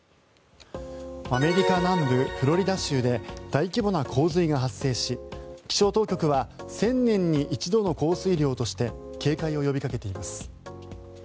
アメリカ南部フロリダ州で大規模な洪水が発生し気象当局は１０００年に一度の降水量として警戒を呼びかけています。